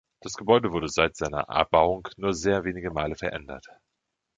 Das Gebäude wurde seit seiner Erbauung nur sehr wenige Male verändert.